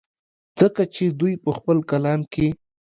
ځکه چې دوي پۀ خپل کلام کښې